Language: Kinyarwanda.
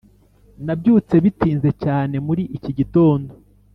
nabyutse bitinze cyane muri iki gitondo.